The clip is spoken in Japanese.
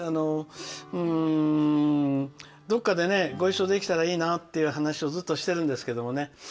どこかでご一緒できたらいいなという話をずっと、してるんですけどもね。